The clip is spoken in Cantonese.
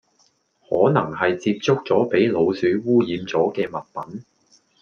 可能係接觸左俾老鼠污染左既物品